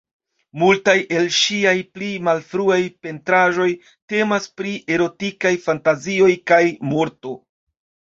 Multaj el ŝiaj pli malfruaj pentraĵoj temas pri erotikaj fantazioj kaj la morto.